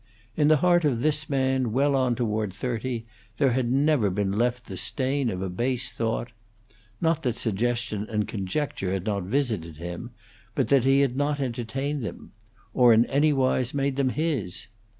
In the heart of this man well on toward thirty there had never been left the stain of a base thought; not that suggestion and conjecture had not visited him, but that he had not entertained them, or in any wise made them his.